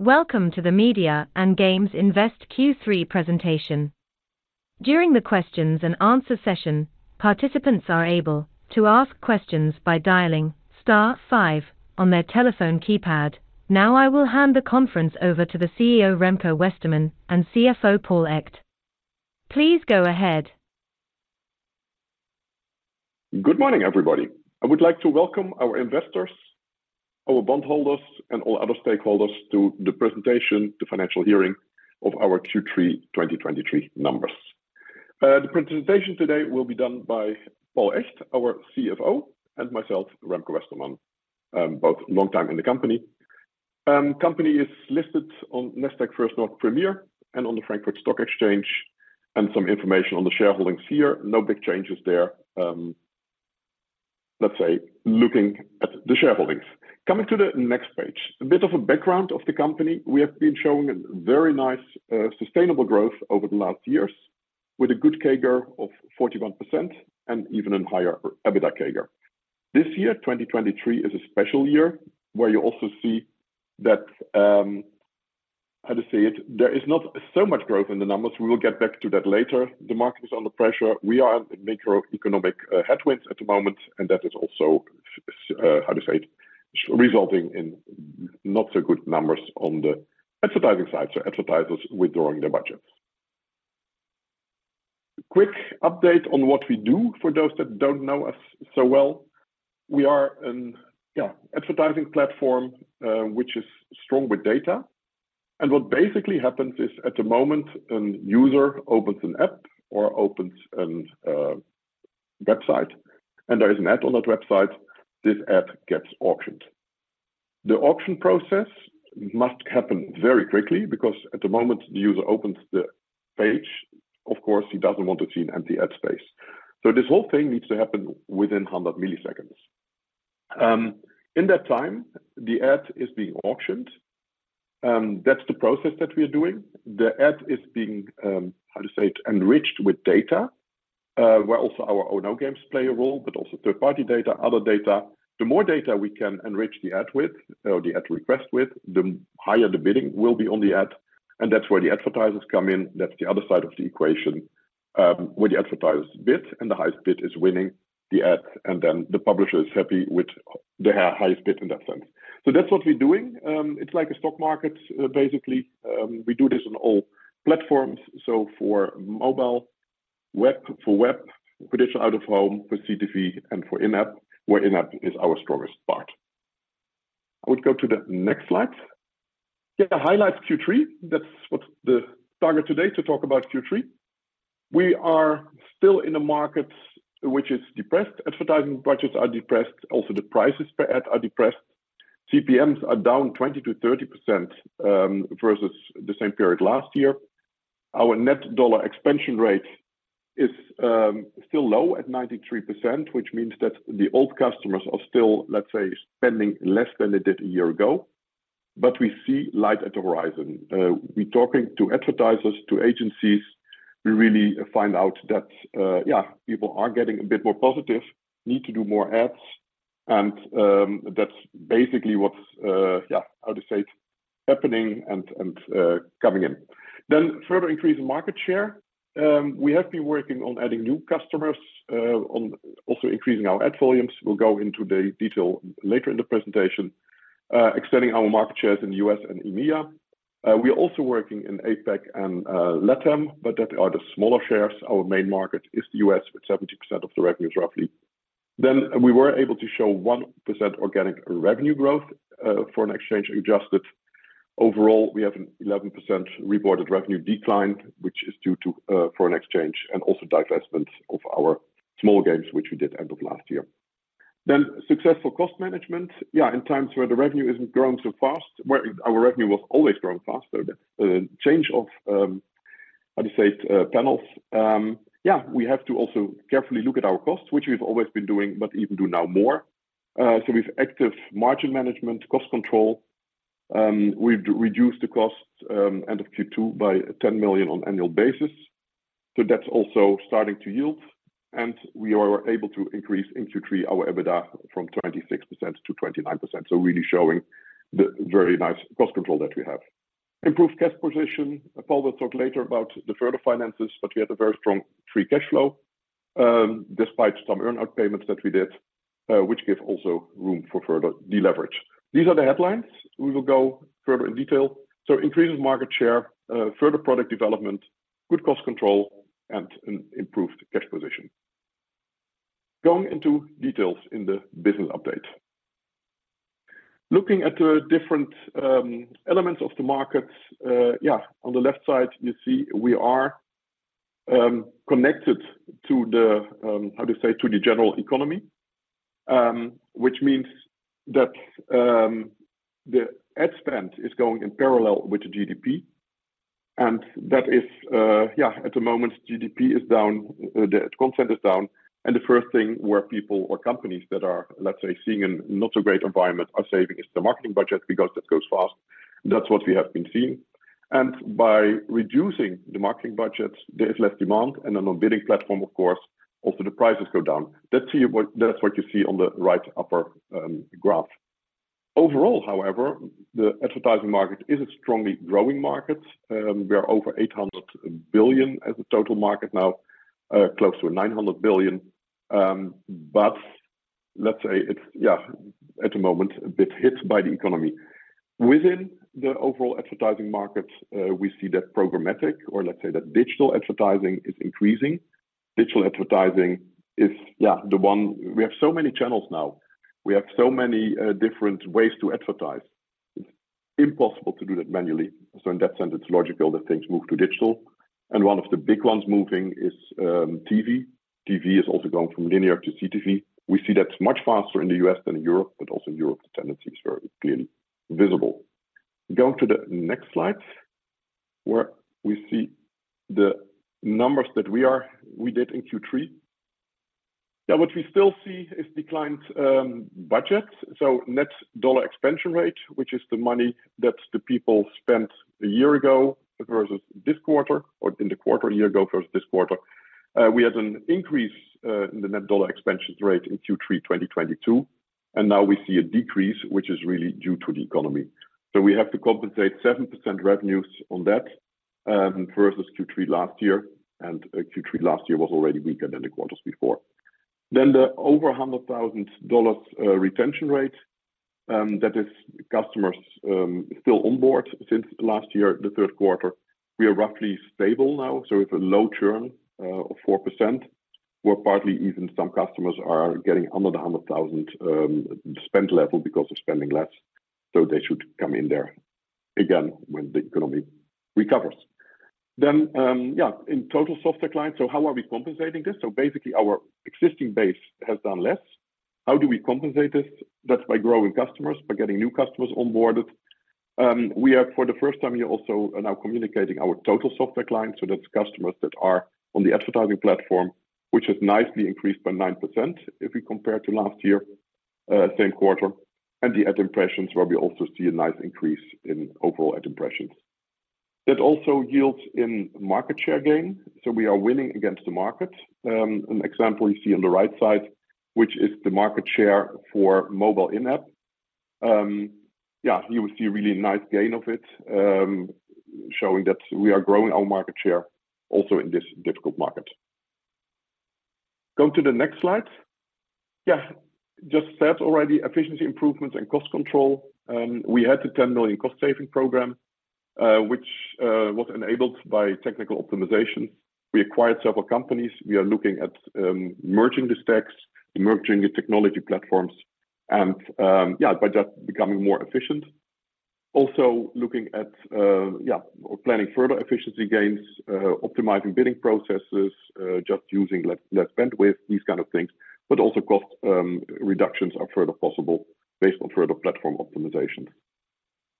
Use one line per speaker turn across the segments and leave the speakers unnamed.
Welcome to the Verve Group Q3 presentation. During the questions and answer session, participants are able to ask questions by dialing star five on their telephone keypad. Now, I will hand the conference over to the CEO, Remco Westermann, and CFO, Paul Echt. Please go ahead.
Good morning, everybody. I would like to welcome our investors, our bondholders, and all other stakeholders to the presentation, the financial hearing of our Q3 2023 numbers. The presentation today will be done by Paul Echt, our CFO, and myself, Remco Westermann, both long time in the company. Company is listed on Nasdaq First North Premier and on the Frankfurt Stock Exchange, and some information on the shareholdings here. No big changes there, let's say, looking at the shareholdings. Coming to the next page, a bit of a background of the company. We have been showing a very nice, sustainable growth over the last years, with a good CAGR of 41% and even a higher EBITDA CAGR. This year, 2023 is a special year, where you also see that. How to say it? There is not so much growth in the numbers. We will get back to that later. The market is under pressure. We are in macroeconomic headwinds at the moment, and that is also, how to say it, resulting in not so good numbers on the advertising side, so advertisers withdrawing their budgets. Quick update on what we do for those that don't know us so well. We are an, yeah, advertising platform, which is strong with data, and what basically happens is, at the moment, a user opens an app or opens a website, and there is an ad on that website. This ad gets auctioned. The auction process must happen very quickly because at the moment the user opens the page, of course, he doesn't want to see an empty ad space. So this whole thing needs to happen within 100 milliseconds. In that time, the ad is being auctioned. That's the process that we are doing. The ad is being, how to say it, enriched with data, where also our own games play a role, but also third-party data, other data. The more data we can enrich the ad with or the ad request with, the higher the bidding will be on the ad, and that's where the advertisers come in. That's the other side of the equation, where the advertisers bid, and the highest bid is winning the ad, and then the publisher is happy with the highest bid in that sense. So that's what we're doing. It's like a stock market, basically. We do this on all platforms, so for mobile, web, traditional out-of-home, for CTV, and for in-app, where in-app is our strongest part. I would go to the next slide. Yeah, highlights Q3. That's what's the target today, to talk about Q3. We are still in a market which is depressed. Advertising budgets are depressed. Also, the prices per ad are depressed. CPMs are down 20%-30% versus the same period last year. Our Net Dollar Expansion Rate is still low at 93%, which means that the old customers are still, let's say, spending less than they did a year ago, but we see light at the horizon. We talking to advertisers, to agencies, we really find out that yeah, people are getting a bit more positive, need to do more ads, and that's basically what yeah, how to say it, happening and coming in. Then further increase in market share. We have been working on adding new customers on also increasing our ad volumes. We'll go into the detail later in the presentation. Extending our market shares in the U.S. and EMEA. We are also working in APAC and LATAM, but that are the smaller shares. Our main market is the U.S., with 70% of the revenues, roughly. Then we were able to show 1% organic revenue growth, foreign exchange adjusted. Overall, we have an 11% reported revenue decline, which is due to foreign exchange and also divestment of our small games, which we did end of last year. Then successful cost management. In times where the revenue isn't growing so fast, where our revenue was always growing faster, but change of how to say it panels. We have to also carefully look at our costs, which we've always been doing, but even do now more. So with active margin management, cost control, we've reduced the cost end of Q2 by 10 million on annual basis. So that's also starting to yield, and we are able to increase in Q3 our EBITDA from 26% to 29%. So really showing the very nice cost control that we have. Improved cash position. Paul will talk later about the further finances, but we had a very strong free cash flow, despite some earn-out payments that we did, which give also room for further deleverage. These are the headlines. We will go further in detail. So increased market share, further product development, good cost control, and an improved cash position. Going into details in the business update. Looking at the different elements of the market, yeah, on the left side, you see we are connected to the, how to say, to the general economy, which means that the ad spend is going in parallel with the GDP, and that is, yeah, at the moment, GDP is down, the ad content is down, and the first thing where people or companies that are, let's say, seeing a not so great environment are saving is the marketing budget, because that goes fast. That's what we have been seeing. By reducing the marketing budgets, there is less demand, and on a bidding platform, of course, also the prices go down. That's what you see on the right upper graph. Overall, however, the advertising market is a strongly growing market. We are over $800 billion as a total market now, close to $900 billion. But let's say it's, yeah, at the moment, a bit hit by the economy. Within the overall advertising market, we see that programmatic, or let's say that digital advertising is increasing. Digital advertising is, yeah, the one. We have so many channels now. We have so many different ways to advertise. It's impossible to do that manually. So in that sense, it's logical that things move to digital, and one of the big ones moving is TV. TV is also going from linear to CTV. We see that much faster in the U.S. than in Europe, but also in Europe, the tendency is very clearly visible. Go to the next slide, where we see the numbers that we are, we did in Q3. Now, what we still see is declined budget. So Net Dollar Expansion Rate, which is the money that the people spent a year ago versus this quarter, or in the quarter a year ago versus this quarter. We had an increase, in the Net Dollar Expansion Rate in Q3 2022, and now we see a decrease, which is really due to the economy. So we have to compensate 7% revenues on that, versus Q3 last year, and Q3 last year was already weaker than the quarters before. Then the over $100,000 retention rate, that is customers, still on board since last year, the third quarter. We are roughly stable now, so it's a low churn of 4%, where partly even some customers are getting under the 100,000 spend level because they're spending less, so they should come in there again when the economy recovers. Then, in total software clients, so how are we compensating this? So basically, our existing base has done less. How do we compensate this? That's by growing customers, by getting new customers onboarded. We are for the first time here, also now communicating our total software clients, so that's customers that are on the advertising platform, which has nicely increased by 9% if we compare to last year, same quarter, and the ad impressions, where we also see a nice increase in overall ad impressions. It also yields in market share gain, so we are winning against the market. An example you see on the right side, which is the market share for mobile in-app. Yeah, you will see a really nice gain of it, showing that we are growing our market share also in this difficult market. Go to the next slide. Yeah, just said already, efficiency improvements and cost control. We had the 10 million cost saving program, which was enabled by technical optimization. We acquired several companies. We are looking at merging the stacks, and merging the technology platforms, and yeah, by just becoming more efficient. Also looking at yeah, or planning further efficiency gains, optimizing bidding processes, just using less bandwidth, these kind of things, but also cost reductions are further possible based on further platform optimization.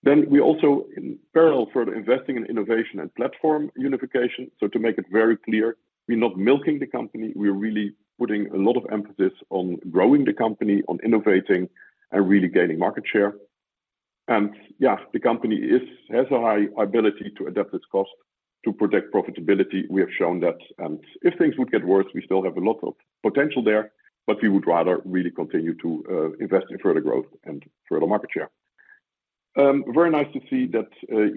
Then we also in parallel, further investing in innovation and platform unification. So to make it very clear, we're not milking the company, we're really putting a lot of emphasis on growing the company, on innovating, and really gaining market share. And yeah, the company is has a high ability to adapt its cost to protect profitability. We have shown that, and if things would get worse, we still have a lot of potential there, but we would rather really continue to invest in further growth and further market share. Very nice to see that,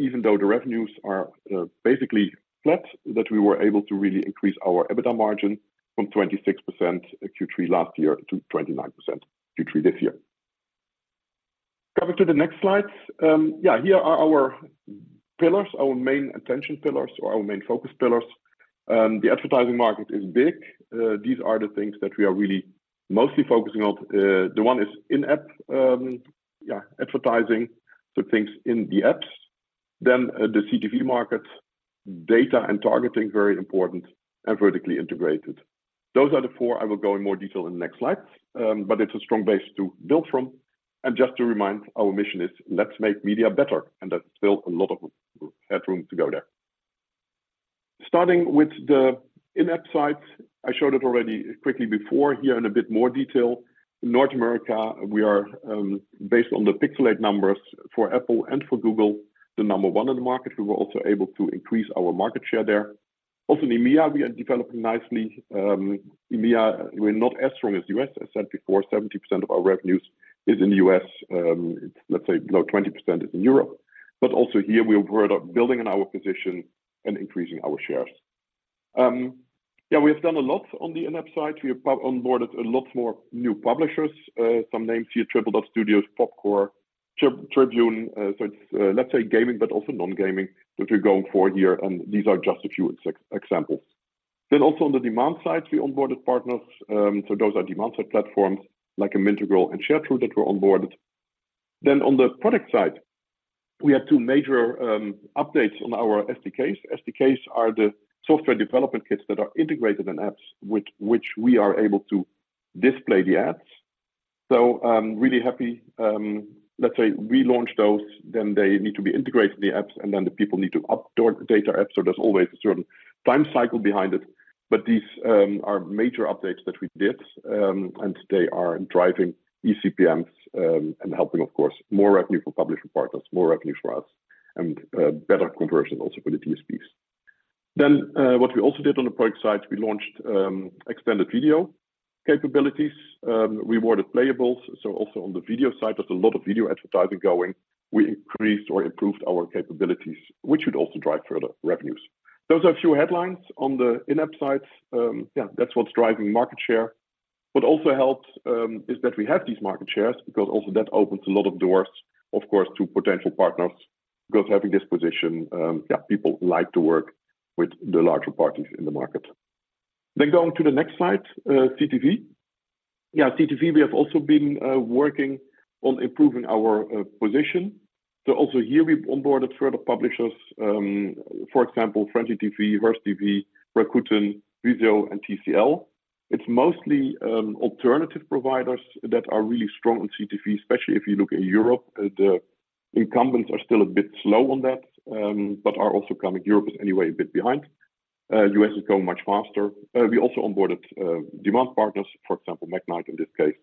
even though the revenues are basically flat, that we were able to really increase our EBITDA margin from 26% Q3 last year to 29% Q3 this year. Coming to the next slide. Yeah, here are our pillars, our main attention pillars, or our main focus pillars. The advertising market is big. These are the things that we are really mostly focusing on. The one is in-app advertising, so things in the apps. Then, the CTV market, data and targeting, very important and vertically integrated. Those are the four I will go in more detail in the next slides, but it's a strong base to build from. And just to remind, our mission is, "Let's make media better," and there's still a lot of headroom to go there. Starting with the in-app side, I showed it already quickly before, here in a bit more detail. North America, we are, based on the Pixalate numbers for Apple and for Google, the number one in the market, we were also able to increase our market share there. Also in EMEA, we are developing nicely. EMEA, we're not as strong as U.S. I said before, 70% of our revenues is in the U.S. Let's say below 20% is in Europe, but also here, we are building on our position and increasing our shares. Yeah, we have done a lot on the in-app side. We have onboarded a lot more new publishers. Some names here, Tripledot Studios, Popcore, Tribune. So it's, let's say, gaming, but also non-gaming that we're going for here, and these are just a few examples. Then also on the demand side, we onboarded partners. So those are demand-side platforms like Integral and Sharethrough that were onboarded. Then on the product side, we have two major updates on our SDKs. SDKs are the software development kits that are integrated in apps, which we are able to display the ads. So I'm really happy, let's say, relaunch those, then they need to be integrated in the apps, and then the people need to update our apps, so there's always a certain time cycle behind it. But these are major updates that we did, and they are driving eCPMs, and helping, of course, more revenue for publisher partners, more revenue for us, and better conversion also for the DSPs. Then, what we also did on the product side, we launched, expanded video capabilities, rewarded playables. So also on the video side, there's a lot of video advertising going. We increased or improved our capabilities, which should also drive further revenues. Those are a few headlines on the in-app sites. Yeah, that's what's driving market share, but also helps is that we have these market shares, because also that opens a lot of doors, of course, to potential partners, because having this position, yeah, people like to work with the larger parties in the market. Then going to the next slide, CTV. Yeah, CTV, we have also been working on improving our position. So also here, we onboarded further publishers, for example, France TV, Verse TV, Rakuten, Vizio, and TCL. It's mostly alternative providers that are really strong in CTV, especially if you look at Europe. The incumbents are still a bit slow on that, but are also coming. Europe is anyway a bit behind. U.S. is going much faster. We also onboarded demand partners, for example, Magnite, in this case,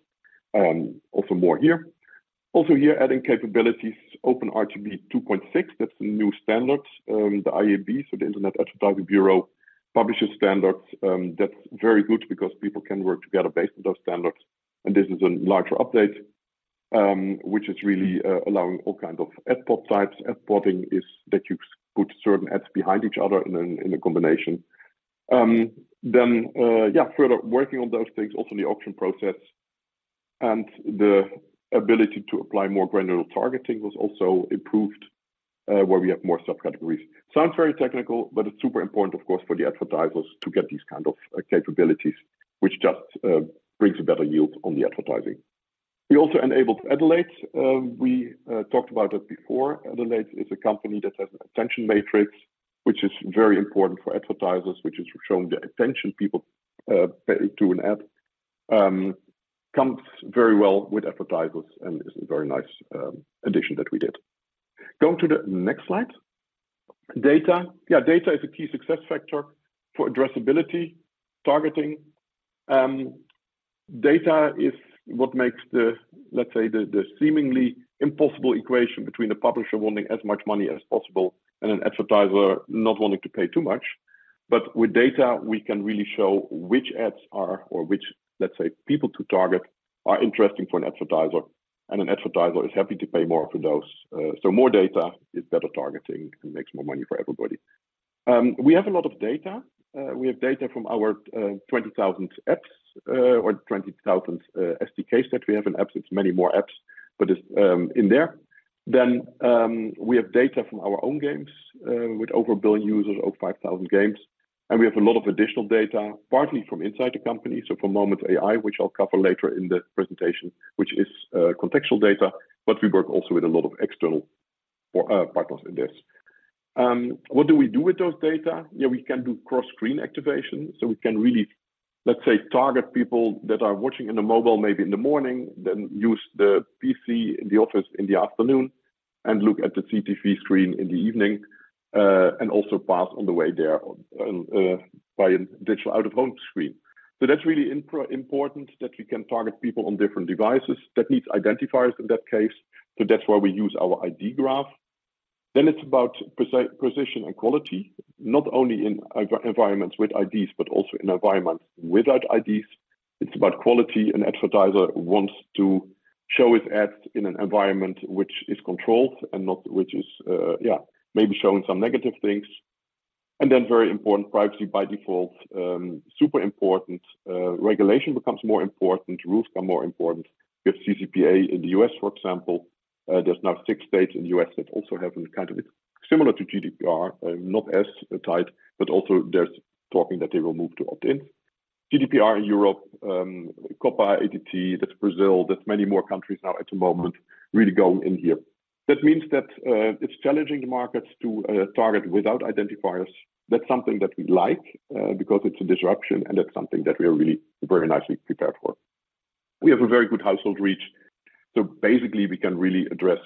also more here. Also here, adding capabilities, OpenRTB 2.6, that's the new standards, the IAB, so the Internet Advertising Bureau, publisher standards. That's very good because people can work together based on those standards, and this is a larger update, which is really allowing all kinds of ad pod types. Ad podding is that you put certain ads behind each other and then in a combination. Then, yeah, further working on those things, also, the auction process and the ability to apply more granular targeting was also improved, where we have more subcategories. Sounds very technical, but it's super important, of course, for the advertisers to get these kind of capabilities, which just brings a better yield on the advertising. We also enabled Adelaide. We talked about it before. Adelaide is a company that has an attention metrics, which is very important for advertisers, which is showing the attention people pay to an ad. Comes very well with advertisers and is a very nice addition that we did. Going to the next slide. Data. Yeah, data is a key success factor for addressability, targeting. Data is what makes the, let's say, the seemingly impossible equation between a publisher wanting as much money as possible and an advertiser not wanting to pay too much. But with data, we can really show which ads are, or which, let's say, people to target are interesting for an advertiser, and an advertiser is happy to pay more for those. So more data is better targeting and makes more money for everybody. We have a lot of data. We have data from our 20,000 apps or 20,000 SDKs that we have in apps. It's many more apps, but it's in there. Then we have data from our own games with over 1 billion users, over 5,000 games, and we have a lot of additional data, partly from inside the company, so from Moments.AI, which I'll cover later in the presentation, which is contextual data, but we work also with a lot of external partners in this. What do we do with those data? Yeah, we can do cross-screen activation, so we can really, let's say, target people that are watching in the mobile, maybe in the morning, then use the PC in the office in the afternoon, and look at the CTV screen in the evening, and also pass on the way there by a digital out-of-home screen. So that's really important that we can target people on different devices. That needs identifiers in that case, so that's why we use our ID Graph. Then it's about precision and quality, not only in environments with IDs, but also in environments without IDs. It's about quality, and advertiser wants to show its ads in an environment which is controlled and not which is, yeah, maybe showing some negative things. And then very important, privacy by default, super important. Regulation becomes more important. Rules become more important. We have CCPA in the US, for example. There's now six states in the U.S. that also have a kind of similar to GDPR, not as tight, but also there's talking that they will move to opt-in. GDPR in Europe, COPPA, LGPD that's Brazil. There's many more countries now at the moment really going in here. That means that it's challenging the markets to target without identifiers. That's something that we like because it's a disruption, and that's something that we are really very nicely prepared for. We have a very good household reach, so basically, we can really address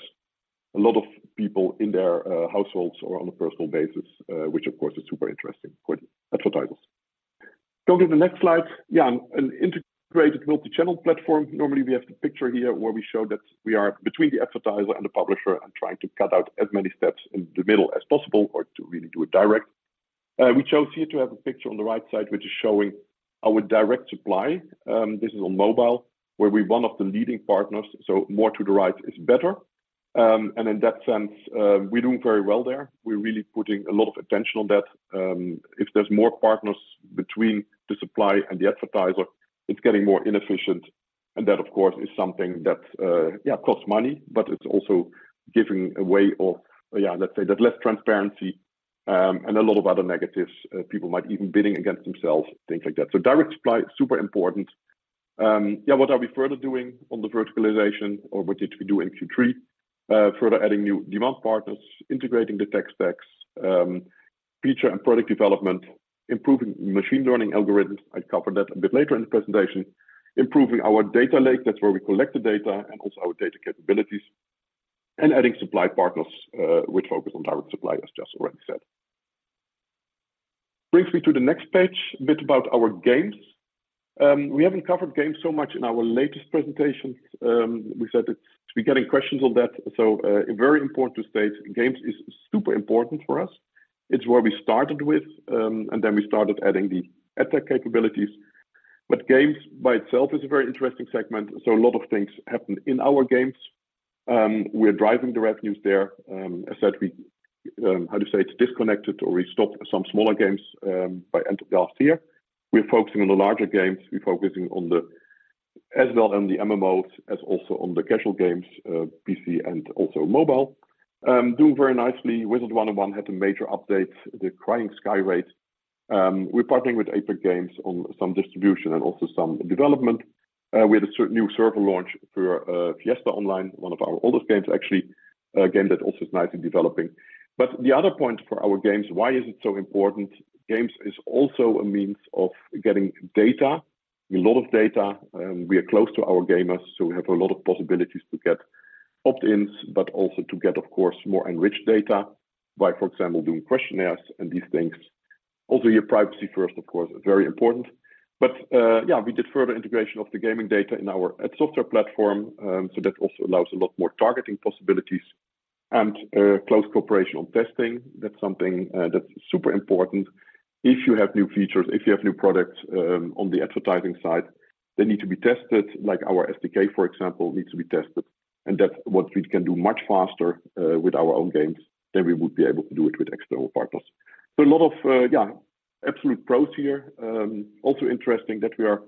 a lot of people in their households or on a personal basis, which of course, is super interesting for advertisers. Go to the next slide. Yeah, an integrated multi-channel platform. Normally, we have the picture here where we show that we are between the advertiser and the publisher and trying to cut out as many steps in the middle as possible, or to really do it direct. We chose here to have a picture on the right side, which is showing our direct supply. This is on mobile, where we're one of the leading partners, so more to the right is better. And in that sense, we're doing very well there. We're really putting a lot of attention on that. If there's more partners between the supply and the advertiser, it's getting more inefficient, and that, of course, is something that, yeah, costs money, but it's also giving a way of, yeah, let's say, that less transparency, and a lot of other negatives. People might even bidding against themselves, things like that. So direct supply, super important. What are we further doing on the verticalization, or what did we do in Q3? Further adding new demand partners, integrating the tech stacks, feature and product development, improving machine learning algorithms. I cover that a bit later in the presentation. Improving our data lake, that's where we collect the data, and also our data capabilities, and adding supply partners, which focus on direct supply, as Jess already said. Brings me to the next page, a bit about our games. We haven't covered games so much in our latest presentations. We said that we're getting questions on that, so very important to state, games is super important for us. It's where we started with, and then we started adding the ad tech capabilities. But games by itself is a very interesting segment, so a lot of things happen in our games. We're driving the revenues there. As said, we, how to say, it's disconnected or we stop some smaller games, by end of last year. We're focusing on the larger games. We're focusing on as well on the MMOs, as also on the casual games, PC and also mobile. Doing very nicely, Wizard101 had a major update, the Crying Sky Raid. We're partnering with Epic Games on some distribution and also some development. We had a new server launch for, Fiesta Online, one of our oldest games, actually, a game that also is nicely developing. But the other point for our games, why is it so important? Games is also a means of getting data, a lot of data, and we are close to our gamers, so we have a lot of possibilities to get opt-ins, but also to get, of course, more enriched data by, for example, doing questionnaires and these things. Also, your privacy first, of course, is very important. But, yeah, we did further integration of the gaming data in our ad software platform, so that also allows a lot more targeting possibilities and, close cooperation on testing. That's something, that's super important. If you have new features, if you have new products, on the advertising side, they need to be tested, like our SDK, for example, needs to be tested, and that's what we can do much faster, with our own games than we would be able to do it with external partners. So a lot of absolute pros here. Also interesting that we are,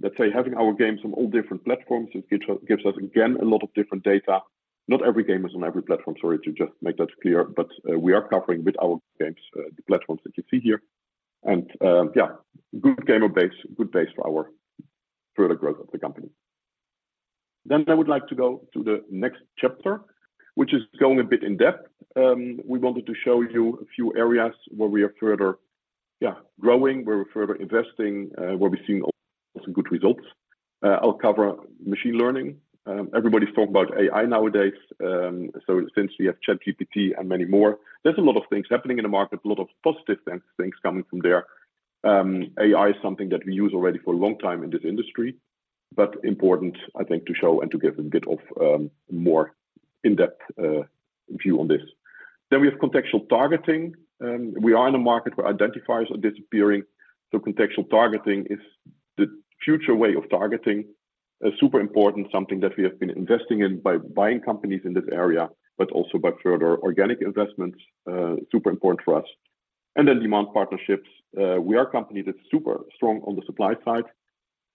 let's say, having our games on all different platforms, it gives us, again, a lot of different data. Not every game is on every platform, sorry to just make that clear, but we are covering with our games the platforms that you see here. And good gamer base, good base for our further growth of the company. Then I would like to go to the next chapter, which is going a bit in depth. We wanted to show you a few areas where we are further growing, where we're further investing, where we're seeing some good results. I'll cover machine learning. Everybody's talking about AI nowadays, so since we have ChatGPT and many more. There's a lot of things happening in the market, a lot of positive things coming from there. AI is something that we use already for a long time in this industry, but important, I think, to show and to give a bit of, more in-depth, view on this. Then we have contextual targeting. We are in a market where identifiers are disappearing, so contextual targeting is the future way of targeting. Super important, something that we have been investing in by buying companies in this area, but also by further organic investments, super important for us. And then demand partnerships. We are a company that's super strong on the supply side.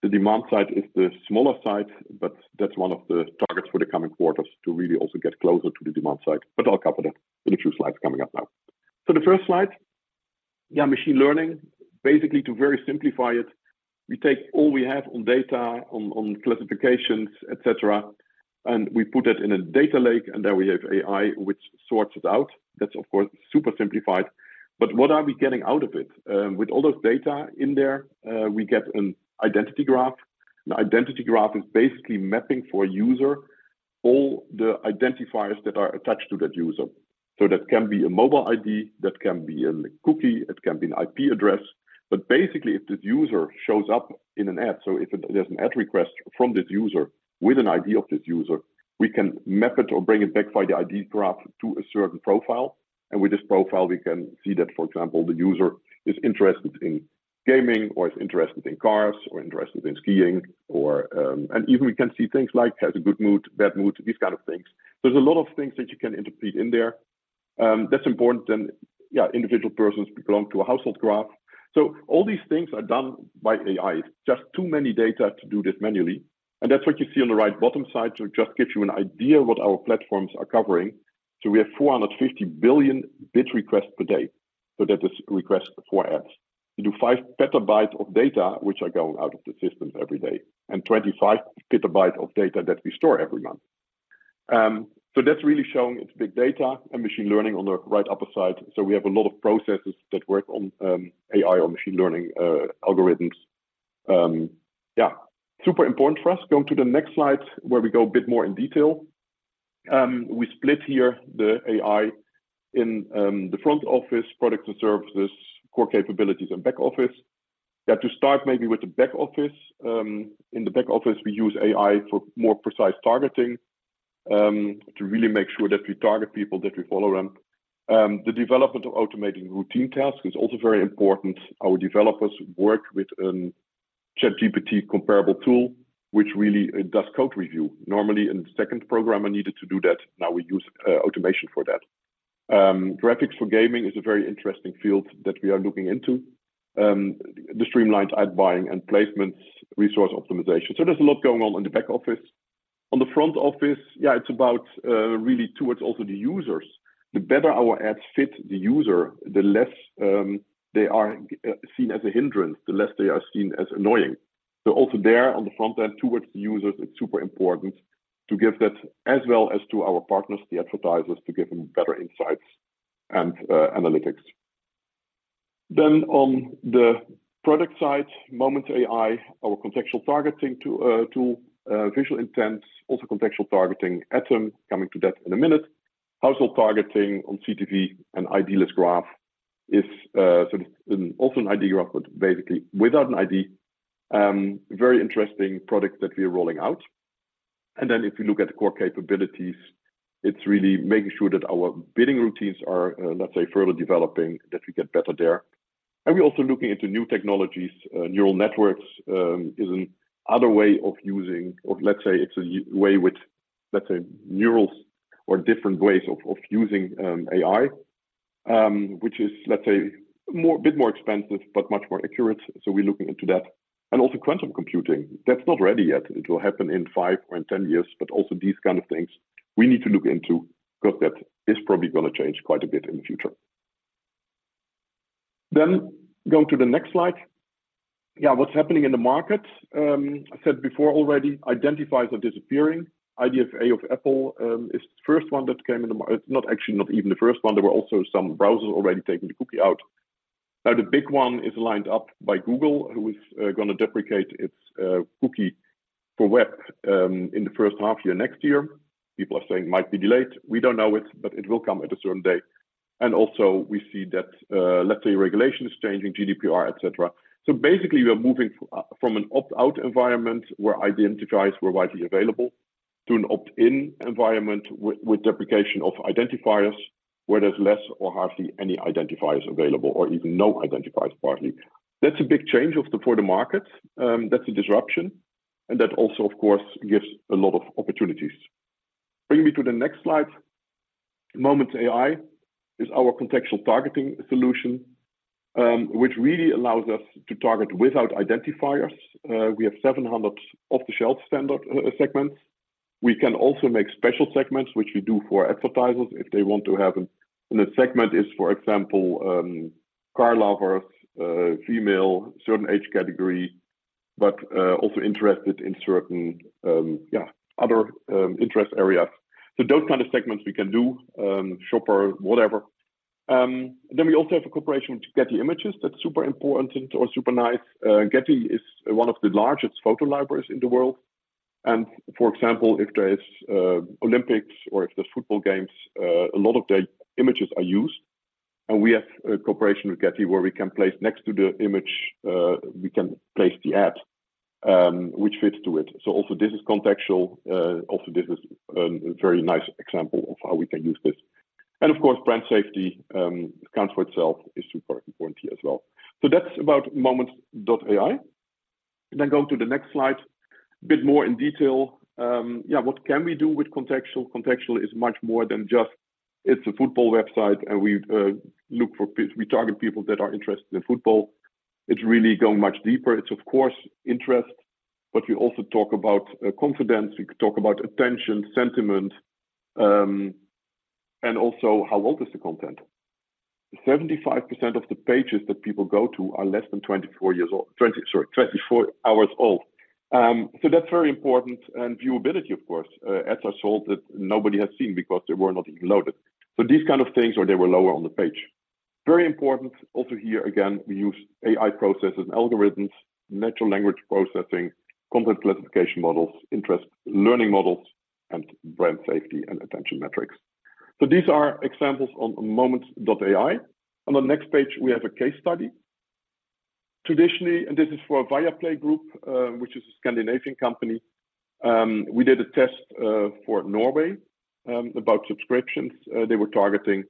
The demand side is the smaller side, but that's one of the targets for the coming quarters to really also get closer to the demand side, but I'll cover that in a few slides coming up now. So the first slide, yeah, machine learning, basically, to very simplify it, we take all we have on data, on classifications, et cetera, and we put it in a data lake, and then we have AI, which sorts it out. That's, of course, super simplified, but what are we getting out of it? With all those data in there, we get an identity graph. An identity graph is basically mapping for a user all the identifiers that are attached to that user. So that can be a mobile ID, that can be a cookie, it can be an IP address. But basically, if this user shows up in an ad, so if there's an ad request from this user with an ID of this user, we can map it or bring it back by the ID Graph to a certain profile. With this profile, we can see that, for example, the user is interested in gaming or is interested in cars or interested in skiing. Even we can see things like has a good mood, bad mood, these kind of things. There's a lot of things that you can interpret in there. That's important then, yeah, individual persons belong to a household graph. All these things are done by AI. It's just too many data to do this manually, and that's what you see on the right bottom side to just give you an idea what our platforms are covering. So we have 450 billion bid requests per day. So that is request for ads. We do 5 PB of data, which are going out of the system every day, and 25 PB of data that we store every month. So that's really showing it's big data and machine learning on the right upper side. So we have a lot of processes that work on, AI or machine learning, algorithms. Yeah, super important for us. Going to the next slide, where we go a bit more in detail. We split here the AI in, the front office, product and services, core capabilities, and back office. Yeah, to start maybe with the back office. In the back office, we use AI for more precise targeting, to really make sure that we target people, that we follow them. The development of automating routine tasks is also very important. Our developers work with a ChatGPT comparable tool, which really, it does code review. Normally, in the second program, I needed to do that. Now we use, automation for that. Graphics for gaming is a very interesting field that we are looking into. The streamlined ad buying and placements, resource optimization. So there's a lot going on in the back office. On the front office, yeah, it's about, really towards also the users. The better our ads fit the user, the less, they are, seen as a hindrance, the less they are seen as annoying. So also there on the front end, towards the users, it's super important to give that, as well as to our partners, the advertisers, to give them better insights and, analytics. Then on the product side, Moments.AI, our contextual targeting tool, Visual Intent, also contextual targeting, ATOM, coming to that in a minute. Household targeting on CTV and ID-less graph is sort of also an ID graph, but basically without an ID. Very interesting product that we are rolling out. And then if you look at the core capabilities, it's really making sure that our bidding routines are let's say further developing, that we get better there. And we're also looking into new technologies. Neural networks is another way of using, or let's say it's a way with let's say neurals or different ways of using AI, which is let's say more, a bit more expensive, but much more accurate. So we're looking into that. And also quantum computing. That's not ready yet. It will happen in five or 10 years, but also these kind of things we need to look into, because that is probably gonna change quite a bit in the future. Then go to the next slide. Yeah, what's happening in the market? I said before already, identifiers are disappearing. IDFA of Apple is the first one that came in the market. It's not actually, not even the first one. There were also some browsers already taking the cookie out. Now, the big one is lined up by Google, who is gonna deprecate its cookie for web in the first half year next year. People are saying it might be delayed. We don't know it, but it will come at a certain date. And also, we see that, let's say regulation is changing, GDPR, et cetera. So basically, we are moving from an opt-out environment, where identifiers were widely available, to an opt-in environment with deprecation of identifiers, where there's less or hardly any identifiers available or even no identifiers, partly. That's a big change of the for the market. That's a disruption, and that also, of course, gives a lot of opportunities. Bring me to the next slide. Moments.AI is our contextual targeting solution, which really allows us to target without identifiers. We have 700 off-the-shelf standard segments. We can also make special segments, which we do for advertisers if they want to have them. And the segment is, for example, car lovers, female, certain age category, but also interested in certain, yeah, other interest areas. So those kind of segments we can do, shopper, whatever. Then we also have a cooperation with Getty Images. That's super important or super nice. Getty is one of the largest photo libraries in the world. And for example, if there is Olympics or if there's football games, a lot of their images are used, and we have a cooperation with Getty, where we can place next to the image, we can place the ad, which fits to it. So also this is contextual. Also, this is a very nice example of how we can use this. And of course, brand safety accounts for itself, is super important here as well. So that's about Moments.AI. Then go to the next slide. A bit more in detail. Yeah, what can we do with contextual? Contextual is much more than just, it's a football website, and we look for people. We target people that are interested in football. It's really going much deeper. It's of course interest, but we also talk about confidence. We talk about attention, sentiment, and also how old is the content? 75% of the pages that people go to are less than 24 hours old. So that's very important, and viewability, of course, ads are sold that nobody has seen because they were not even loaded. So these kind of things, or they were lower on the page. Very important. Also here, again, we use AI processes and algorithms, natural language processing, content classification models, interest learning models, and brand safety and attention metrics. So these are examples on Moments.AI. On the next page, we have a case study. Traditionally, and this is for Viaplay Group, which is a Scandinavian company. We did a test, for Norway, about subscriptions, they were targeting.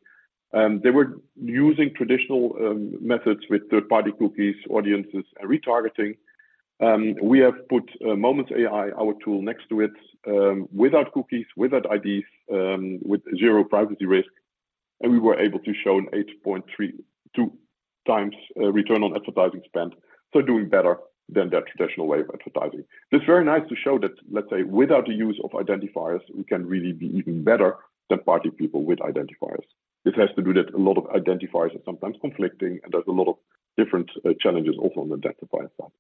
They were using traditional, methods with third-party cookies, audiences, and retargeting. We have put, Moments.AI, our tool, next to it, without cookies, without IDs, with zero privacy risk, and we were able to show an 8.32x return on advertising spend, so doing better than their traditional way of advertising. It's very nice to show that, let's say, without the use of identifiers, we can really be even better than party people with identifiers. This has to do that a lot of identifiers are sometimes conflicting, and there's a lot of different, challenges also on the identifier side.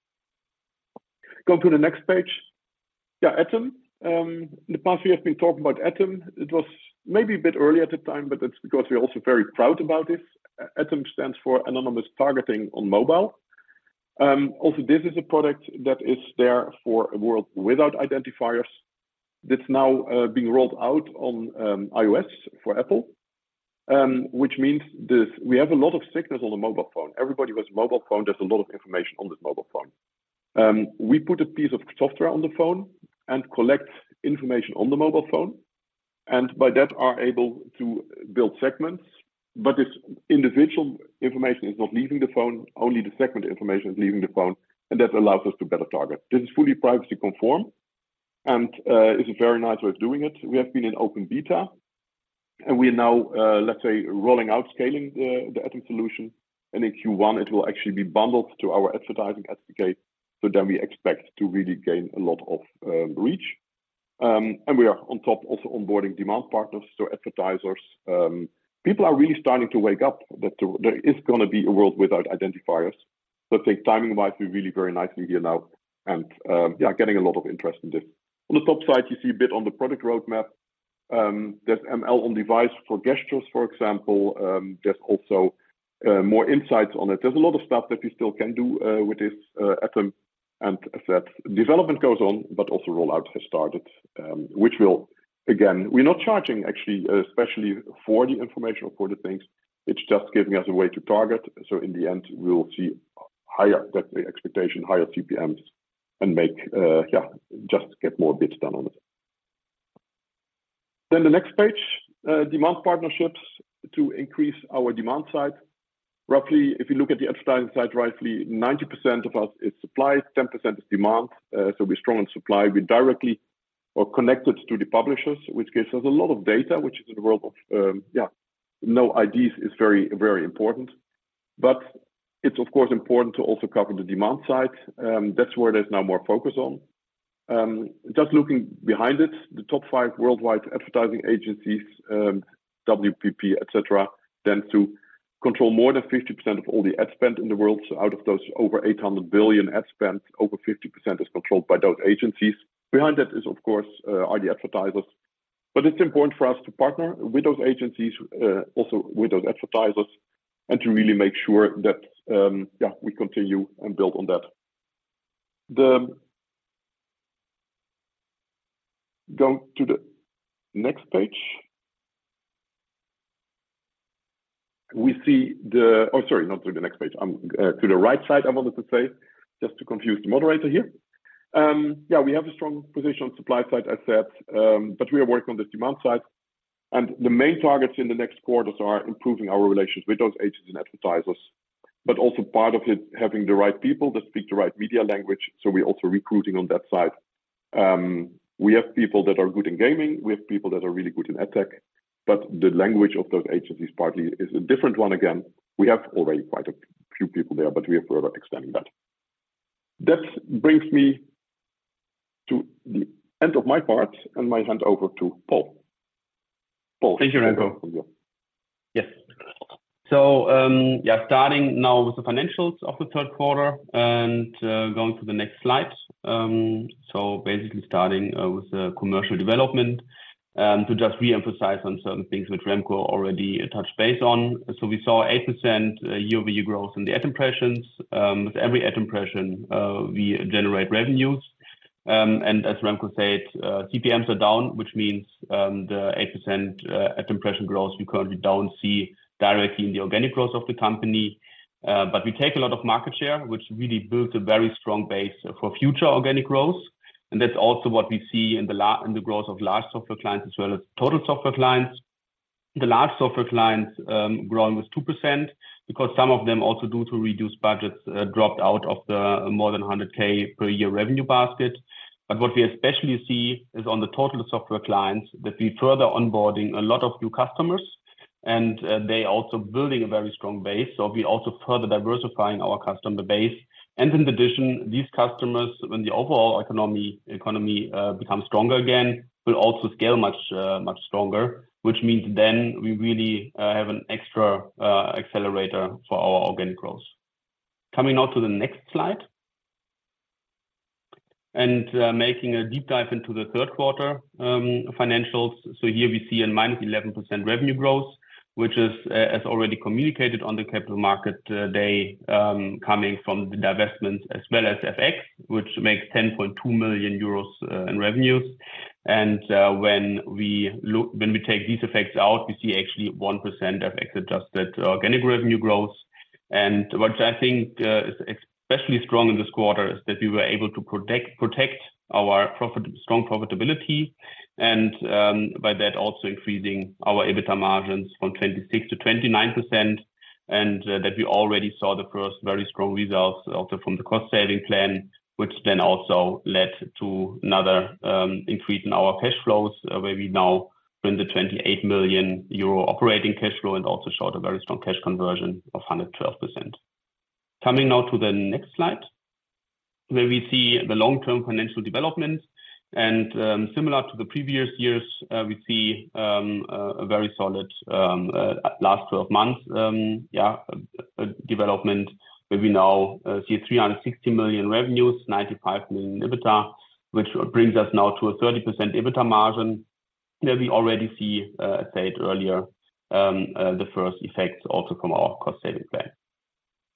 Go to the next page. Yeah, ATOM. In the past, we have been talking about ATOM. It was maybe a bit early at the time, but that's because we're also very proud about this. ATOM stands for Anonymous Targeting on Mobile. Also, this is a product that is there for a world without identifiers. That's now being rolled out on iOS for Apple, which means this, we have a lot of signals on the mobile phone. Everybody who has mobile phone, there's a lot of information on this mobile phone. We put a piece of software on the phone and collect information on the mobile phone, and by that, are able to build segments, but this individual information is not leaving the phone, only the segment information is leaving the phone, and that allows us to better target. This is fully privacy-compliant, and it's a very nice way of doing it. We have been in open beta, and we are now, let's say, rolling out, scaling the ATOM solution. In Q1, it will actually be bundled to our advertising SDK, so then we expect to really gain a lot of reach. And we are on top also onboarding demand partners, so advertisers. People are really starting to wake up, that there is gonna be a world without identifiers. Let's say, timing-wise, we're really very nicely here now and, yeah, getting a lot of interest in this. On the top side, you see a bit on the product roadmap. There's ML on device for gestures, for example, there's also more insights on it. There's a lot of stuff that we still can do, with this, ad and assets. Development goes on, but also rollout has started, which will, again, we're not charging actually, especially for the information or for the things. It's just giving us a way to target, so in the end, we will see higher than the expectation, higher CPMs, and make, yeah, just get more bits done on it. Then the next page, demand partnerships to increase our demand side. Roughly, if you look at the advertising side, rightly, 90% of us is supply, 10% is demand. So we're strong in supply. We're directly or connected to the publishers, which gives us a lot of data, which is in the world of, yeah, no IDs is very, very important. But it's, of course, important to also cover the demand side. That's where there's now more focus on. Just looking behind it, the top five worldwide advertising agencies, WPP, et cetera, tend to control more than 50% of all the ad spend in the world. So out of those over $800 billion ad spend, over 50% is controlled by those agencies. Behind that is, of course, are the advertisers. But it's important for us to partner with those agencies, also with those advertisers, and to really make sure that, yeah, we continue and build on that. The-- Go to the next page. We see the-- Oh, sorry, not to the next page, to the right side, I wanted to say, just to confuse the moderator here. Yeah, we have a strong position on supply side, I said, but we are working on the demand side, and the main targets in the next quarters are improving our relations with those agents and advertisers, but also part of it, having the right people that speak the right media language, so we're also recruiting on that side. We have people that are good in gaming, we have people that are really good in ad tech, but the language of those agencies partly is a different one again. We have already quite a few people there, but we are further extending that. That brings me to the end of my part, and I hand over to Paul. Paul-
Thank you, Remco. Yes. So, yeah, starting now with the financials of the third quarter and going to the next slide. So basically starting with the commercial development to just re-emphasize on certain things which Remco already touched base on. So we saw 8% year-over-year growth in the ad impressions. With every ad impression, we generate revenues. And as Remco said, CPMs are down, which means the 8% ad impression growth we currently don't see directly in the organic growth of the company. But we take a lot of market share, which really builds a very strong base for future organic growth. And that's also what we see in the growth of large software clients, as well as total software clients. The large software clients growing with 2% because some of them also due to reduced budgets dropped out of the more than 100K per year revenue basket. But what we especially see is on the total software clients, that we're further onboarding a lot of new customers, and they are also building a very strong base, so we're also further diversifying our customer base. And in addition, these customers, when the overall economy becomes stronger again, will also scale much stronger, which means then we really have an extra accelerator for our organic growth. Coming now to the next slide, and making a deep dive into the third quarter financials. So here we see a -11% revenue growth, which is, as already communicated on the capital market day, coming from the divestment as well as FX, which makes 10.2 million euros in revenues. When we take these effects out, we see actually 1% FX-adjusted organic revenue growth. What I think is especially strong in this quarter is that we were able to protect our profit, strong profitability, and by that, also increasing our EBITDA margins from 26%-29%, and that we already saw the first very strong results also from the cost-saving plan, which then also led to another increase in our cash flows, where we now bring the 28 million euro operating cash flow and also showed a very strong cash conversion of 112%. Coming now to the next slide, where we see the long-term financial developments. Similar to the previous years, we see a very solid last twelve months, yeah, development, where we now see 360 million revenues, 95 million EBITDA, which brings us now to a 30% EBITDA margin, where we already see, I said earlier, the first effects also come off cost-saving plan.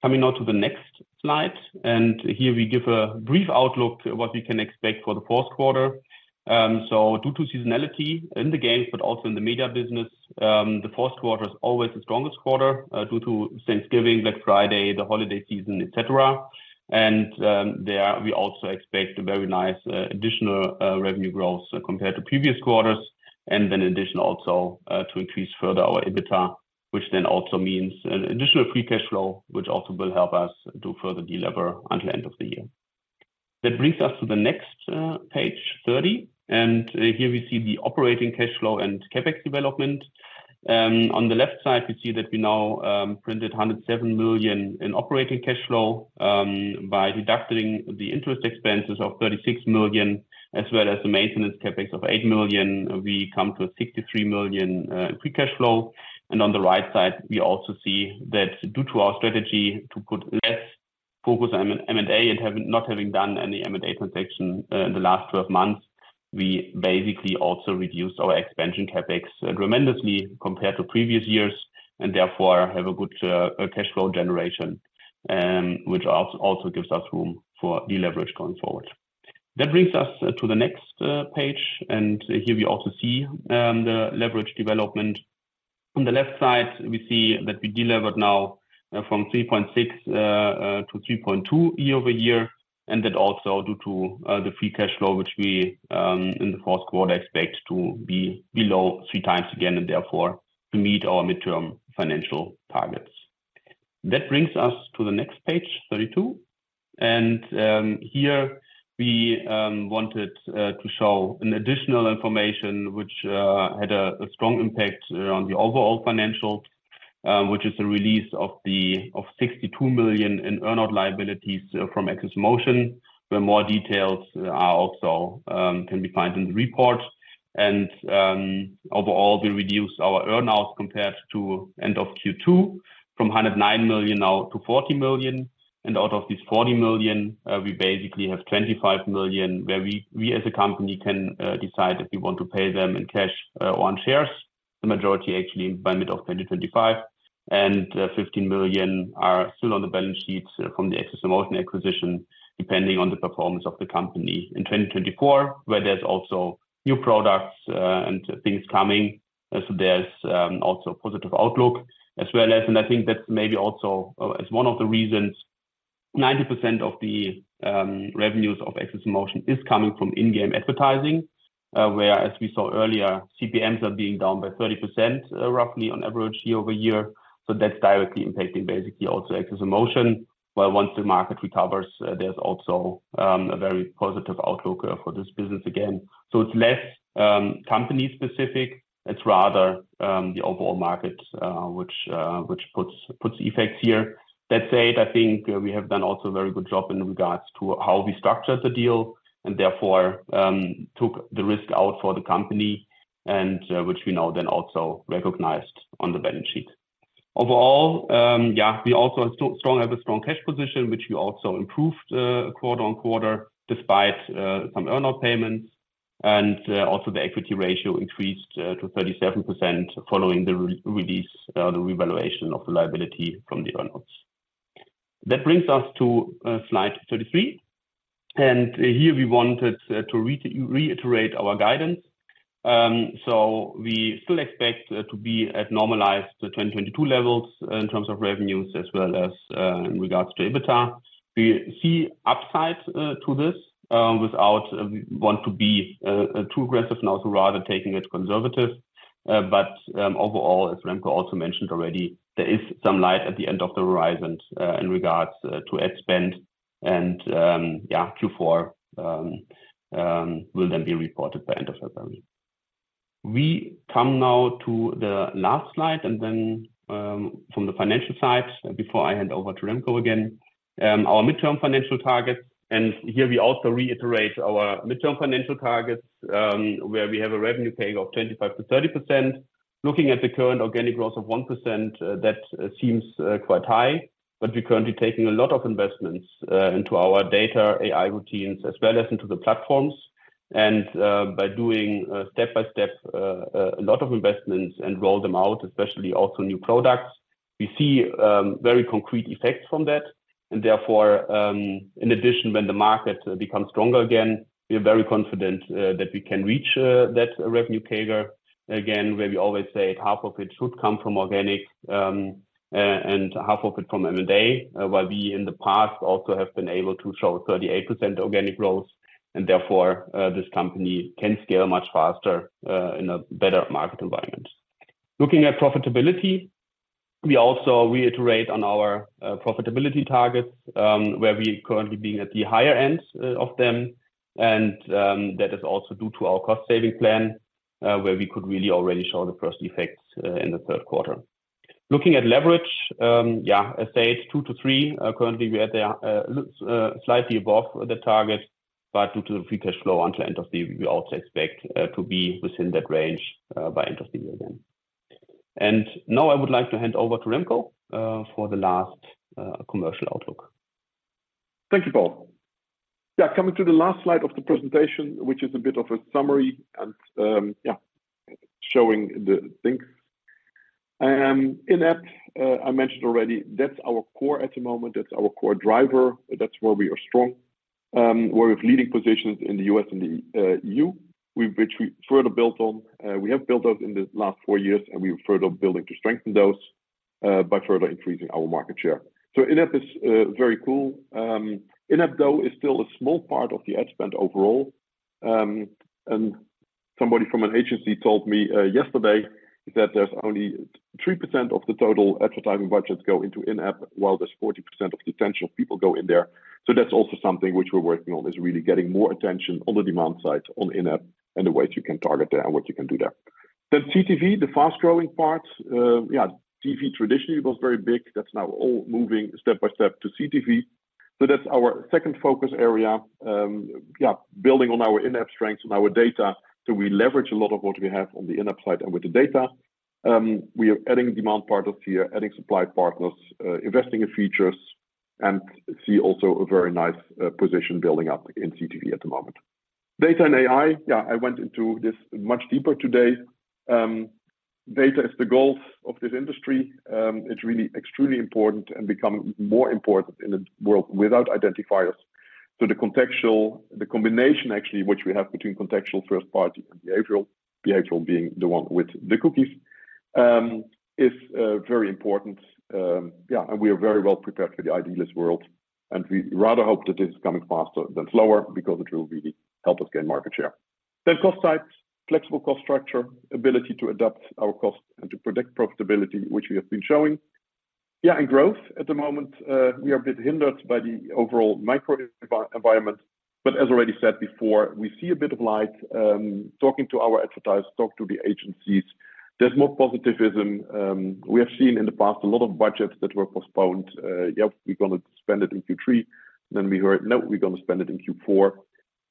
Coming now to the next slide, and here we give a brief outlook what we can expect for the fourth quarter. So due to seasonality in the games, but also in the media business, the fourth quarter is always the strongest quarter, due to Thanksgiving, Black Friday, the holiday season, et cetera. And there, we also expect a very nice, additional, revenue growth compared to previous quarters, and in addition, also, to increase further our EBITDA, which then also means an additional free cash flow, which also will help us do further delever until end of the year. That brings us to the next, page, 30. And here we see the operating cash flow and CapEx development. On the left side, we see that we now, printed 107 million in operating cash flow, by deducting the interest expenses of 36 million, as well as the maintenance CapEx of 8 million, we come to a 63 million, free cash flow. And on the right side, we also see that due to our strategy to put less-... Focus on M&A and having not having done any M&A transaction in the last 12 months, we basically also reduced our expansion CapEx tremendously compared to previous years, and therefore have a good cash flow generation, which also also gives us room for deleverage going forward. That brings us to the next page, and here we also see the leverage development. On the left side, we see that we delevered now from 3.6 to 3.2 year-over-year, and that also due to the free cash flow, which we in the fourth quarter expect to be below three times again, and therefore to meet our midterm financial targets. That brings us to the next page, 32. Here we wanted to show an additional information which had a strong impact on the overall financials, which is the release of 62 million in earnout liabilities from AxesInMotion, where more details can also be found in the report. Overall, we reduced our earnouts compared to end of Q2, from 109 million now to 40 million. And out of this 40 million, we basically have 25 million, where we as a company can decide if we want to pay them in cash or in shares. The majority, actually, by mid of 2025, and 15 million are still on the balance sheet from the AxesInMotion acquisition, depending on the performance of the company. In 2024, where there's also new products and things coming, so there's also positive outlook as well as, and I think that's maybe also is one of the reasons 90% of the revenues of AxesInMotion is coming from in-game advertising, where, as we saw earlier, CPMs are being down by 30% roughly on average year-over-year. So that's directly impacting, basically, also AxesInMotion, where once the market recovers, there's also a very positive outlook for this business again. So it's less company specific, it's rather the overall market, which puts effects here. That said, I think we have done also a very good job in regards to how we structured the deal, and therefore took the risk out for the company and which we now then also recognized on the balance sheet. Overall, yeah, we also have a strong cash position, which we also improved quarter-on-quarter, despite some earnout payments, and also the equity ratio increased to 37% following the revaluation of the liability from the earnouts. That brings us to slide 33. Here we wanted to reiterate our guidance. So we still expect to be at normalized 2022 levels in terms of revenues as well as in regards to EBITDA. We see upside to this, without want to be too aggressive now, so rather taking it conservative. But overall, as Remco also mentioned already, there is some light at the end of the horizon in regards to ad spend. Yeah, Q4 will then be reported by end of February. We come now to the last slide, and then from the financial side, before I hand over to Remco again, our midterm financial targets. Here we also reiterate our midterm financial targets, where we have a revenue CAGR of 25%-30%. Looking at the current organic growth of 1%, that seems quite high, but we're currently taking a lot of investments into our data, AI routines, as well as into the platforms. And, by doing, step by step, a lot of investments and roll them out, especially also new products, we see very concrete effects from that. And therefore, in addition, when the market becomes stronger again, we are very confident that we can reach that revenue CAGR. Again, where we always say half of it should come from organic, and half of it from M&A. While we in the past also have been able to show 38% organic growth, and therefore, this company can scale much faster in a better market environment. Looking at profitability, we also reiterate on our profitability targets, where we currently being at the higher end of them. That is also due to our cost-saving plan, where we could really already show the first effects in the third quarter. Looking at leverage, yeah, I say it's two-three. Currently, we are there, slightly above the target, but due to the free cash flow until end of the year, we also expect to be within that range by end of the year again. And now I would like to hand over to Remco for the last commercial outlook.
Thank you, Paul. Yeah, coming to the last slide of the presentation, which is a bit of a summary and, yeah, showing the things. In-app, I mentioned already, that's our core at the moment, that's our core driver. That's where we are strong. Where we have leading positions in the U.S. and the EU, which we further built on. We have built those in the last four years, and we are further building to strengthen those by further increasing our market share. So in-app is very cool. In-app, though, is still a small part of the ad spend overall. And somebody from an agency told me yesterday that there's only 3% of the total advertising budgets go into in-app, while there's 40% of potential people go in there. So that's also something which we're working on, is really getting more attention on the demand side, on in-app, and the ways you can target that and what you can do there. Then CTV, the fast-growing part. Yeah, TV traditionally was very big. That's now all moving step by step to CTV. So that's our second focus area. Yeah, building on our in-app strengths and our data. So we leverage a lot of what we have on the in-app side and with the data. We are adding demand partners here, adding supply partners, investing in features, and see also a very nice position building up in CTV at the moment. Data and AI, yeah, I went into this much deeper today. Data is the goal of this industry. It's really extremely important and become more important in a world without identifiers. So the contextual, the combination actually, which we have between contextual first party and behavioral, behavioral being the one with the cookies, is very important. Yeah, and we are very well prepared for the ID-less world, and we rather hope that this is coming faster than slower because it will really help us gain market share. Then cost side, flexible cost structure, ability to adapt our cost and to predict profitability, which we have been showing. Yeah, and growth at the moment, we are a bit hindered by the overall micro environment, but as already said before, we see a bit of light. Talking to our advertisers, talk to the agencies, there's more positivism. We have seen in the past a lot of budgets that were postponed. Yep, we're gonna spend it in Q3." Then we heard, "No, we're gonna spend it in Q4."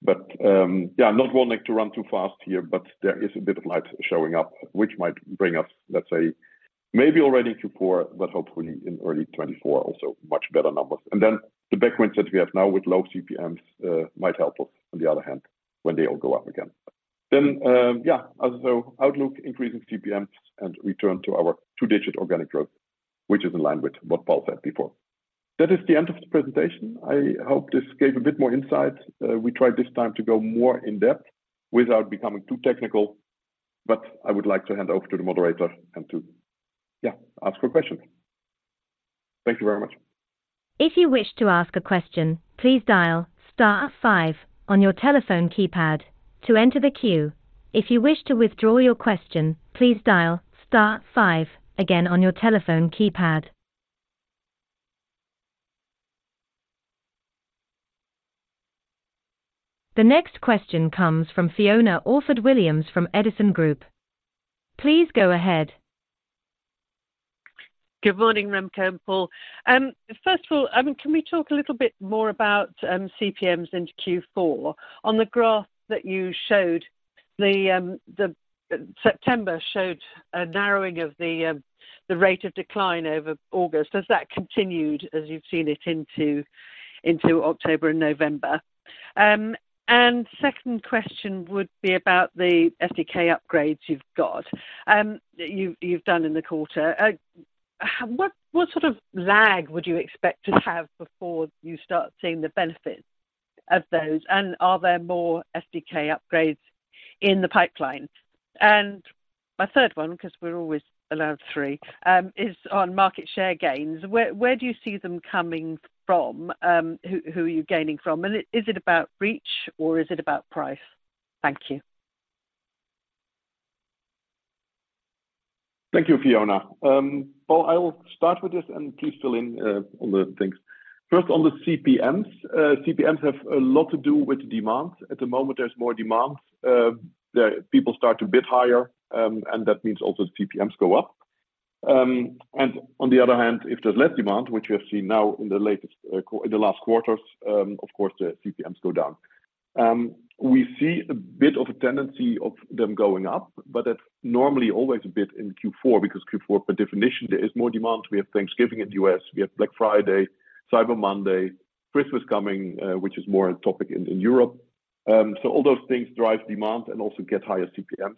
But yeah, not wanting to run too fast here, but there is a bit of light showing up, which might bring us, let's say, maybe already in Q4, but hopefully in early 2024, also much better numbers. And then the backwind that we have now with low CPMs might help us on the other hand, when they all go up again. Then yeah, as so, outlook increases CPMs and return to our two-digit organic growth, which is in line with what Paul said before. That is the end of the presentation. I hope this gave a bit more insight. We tried this time to go more in-depth without becoming too technical, but I would like to hand over to the moderator and to yeah, ask your question. Thank you very much.
If you wish to ask a question, please dial star five on your telephone keypad to enter the queue. If you wish to withdraw your question, please dial star five again on your telephone keypad. The next question comes from Fiona Orford-Williams from Edison Group. Please go ahead.
Good morning, Remco and Paul. First of all, can we talk a little bit more about CPMs in Q4? On the graph that you showed, the September showed a narrowing of the rate of decline over August. Has that continued as you've seen it into October and November? And second question would be about the SDK upgrades you've got, you've done in the quarter. What sort of lag would you expect to have before you start seeing the benefits of those? And are there more SDK upgrades in the pipeline? And my third one, because we're always allowed three, is on market share gains. Where do you see them coming from? Who are you gaining from? And is it about reach or is it about price? Thank you.
Thank you, Fiona. Paul, I will start with this and please fill in on the things. First, on the CPMs. CPMs have a lot to do with demand. At the moment, there's more demand. The people start to bid higher, and that means also the CPMs go up. And on the other hand, if there's less demand, which we have seen now in the latest in the last quarters, of course, the CPMs go down. We see a bit of a tendency of them going up, but that's normally always a bit in Q4, because Q4, by definition, there is more demand. We have Thanksgiving in the U.S., we have Black Friday, Cyber Monday, Christmas coming, which is more a topic in Europe. So all those things drive demand and also get higher CPMs.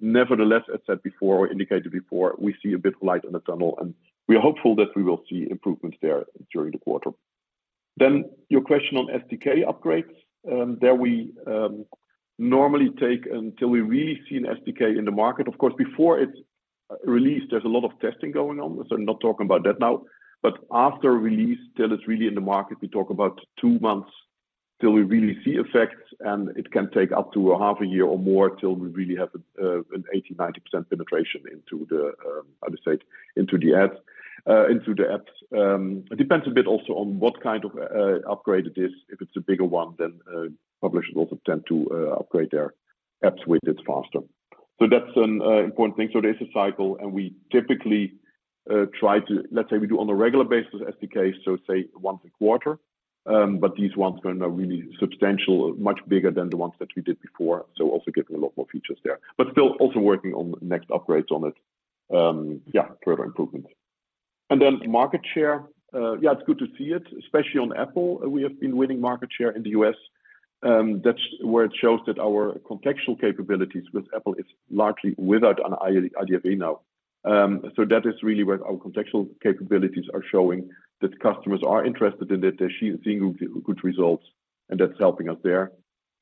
Nevertheless, as said before, or indicated before, we see a bit of light in the tunnel, and we are hopeful that we will see improvements there during the quarter. Then your question on SDK upgrades. There we normally take until we really see an SDK in the market. Of course, before it's released, there's a lot of testing going on. So I'm not talking about that now, but after release, till it's really in the market, we talk about two months till we really see effects, and it can take up to half a year or more till we really have 80%-90% penetration into the ads, into the apps. It depends a bit also on what kind of upgrade it is. If it's a bigger one, then, publishers also tend to, upgrade their apps with it faster. So that's an, important thing. So there's a cycle, and we typically, try to... Let's say we do on a regular basis, SDK, so say once a quarter, but these ones are now really substantial, much bigger than the ones that we did before, so also getting a lot more features there. But still also working on next upgrades on it, yeah, further improvements. And then market share. Yeah, it's good to see it, especially on Apple. We have been winning market share in the U.S. That's where it shows that our contextual capabilities with Apple is largely without an IDFA now. So that is really where our contextual capabilities are showing, that customers are interested in it. They're seeing good results, and that's helping us there.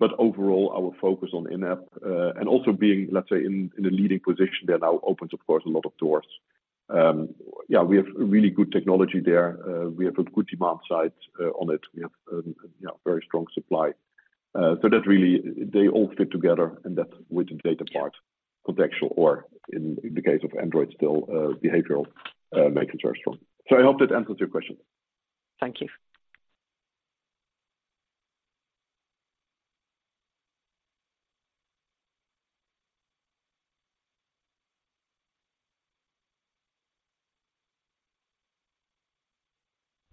But overall, our focus on in-app and also being, let's say, in a leading position there now opens, of course, a lot of doors. Yeah, we have really good technology there. We have a good demand side on it. We have, yeah, very strong supply. So that really, they all fit together, and that with the data part, contextual, or in the case of Android, still behavioral, making sure it's strong. So I hope that answers your question.
Thank you.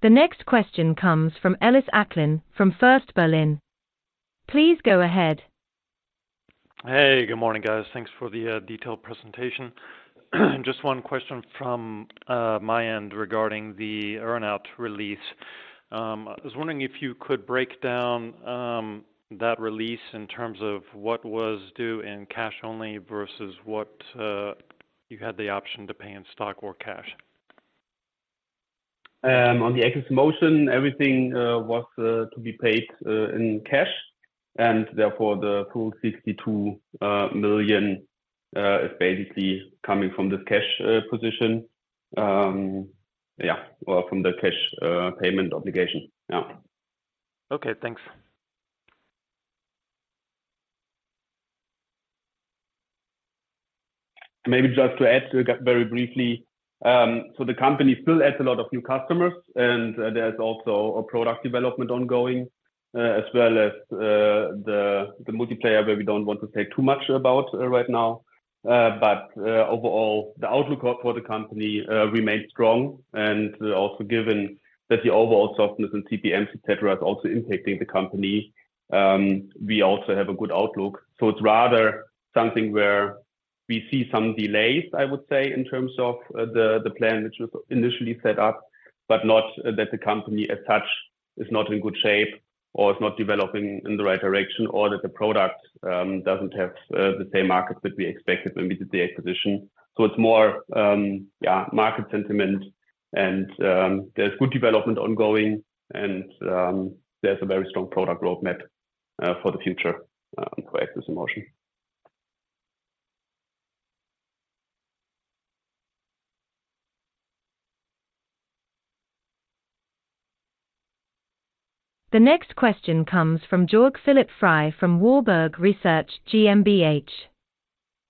The next question comes from Ellis Acklin from First Berlin. Please go ahead.
Hey, good morning, guys. Thanks for the detailed presentation. Just one question from my end regarding the earnout release. I was wondering if you could break down that release in terms of what was due in cash only, versus what you had the option to pay in stock or cash?
On the AxesInMotion, everything was to be paid in cash, and therefore, the full 62 million is basically coming from this cash position. Yeah, or from the cash payment obligation. Yeah.
Okay, thanks.
Maybe just to add to it very briefly. So the company still adds a lot of new customers, and there's also a product development ongoing, as well as the multiplayer, where we don't want to say too much about right now. But overall, the outlook for the company remains strong. And also given that the overall softness in CPMs, et cetera, is also impacting the company, we also have a good outlook. So it's rather something where we see some delays, I would say, in terms of the plan which was initially set up, but not that the company as such is not in good shape, or is not developing in the right direction, or that the product doesn't have the same market that we expected when we did the acquisition. So it's more market sentiment and there's good development ongoing, and there's a very strong product roadmap for the future for AxesInMotion.
The next question comes from Jörg Philipp Frey from Warburg Research GmbH.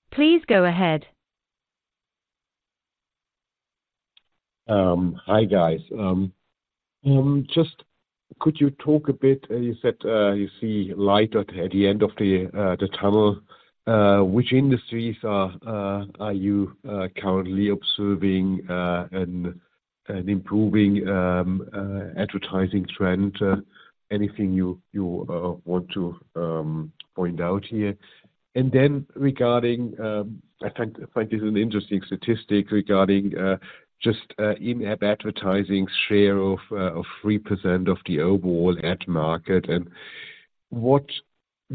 Please go ahead.
Hi, guys. Just could you talk a bit, you said you see light at the end of the tunnel. Which industries are you currently observing and improving advertising trend? Anything you want to point out here? And then regarding, I find this an interesting statistic regarding just in-app advertising's share of 3% of the overall ad market, and what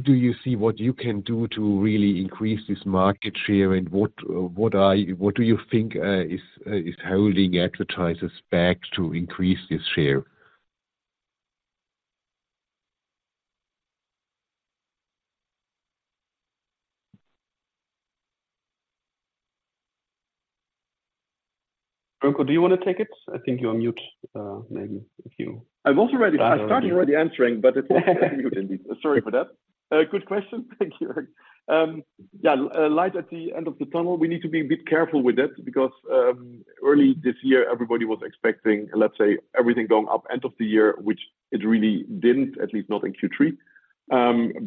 do you see what you can do to really increase this market share, and what are you-- what do you think is holding advertisers back to increase this share?
Remco, do you want to take it? I think you're on mute. Maybe if you-
I'm also ready. I started already answering, but it's on mute indeed. Sorry for that. Good question. Thank you. Yeah, light at the end of the tunnel. We need to be a bit careful with it because early this year, everybody was expecting, let's say, everything going up end of the year, which it really didn't, at least not in Q3.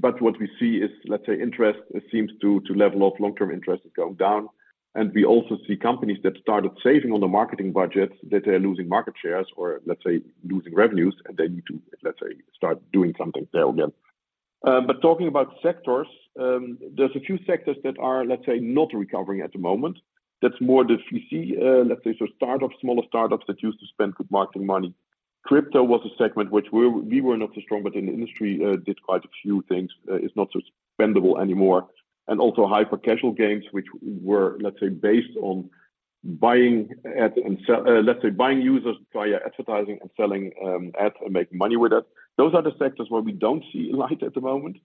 But what we see is, let's say, interest seems to level off. Long-term interest is going down. And we also see companies that started saving on the marketing budgets, that they are losing market shares or, let's say, losing revenues, and they need to, let's say, start doing something there again. But talking about sectors, there's a few sectors that are, let's say, not recovering at the moment. That's more that we see, let's say so startup, smaller startups that used to spend good marketing money. Crypto was a segment which we, we were not so strong, but in the industry, did quite a few things. It's not so spendable anymore. And also hyper-casual games, which were, let's say, based on buying ad and sell... Let's say, buying users via advertising and selling, ad and make money with that. Those are the sectors where we don't see light at the moment,